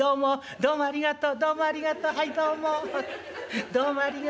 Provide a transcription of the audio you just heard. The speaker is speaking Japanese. どうもありがとう」。